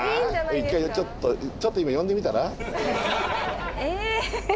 １回ちょっとちょっと今呼んでみたら？え！